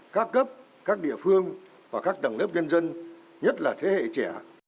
các cấp các địa phương và các tầng lớp nhân dân nhất là thế hệ trẻ